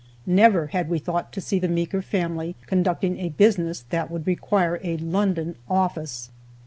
Never had we thought to see the Meeker family conducting a business that would require a London office.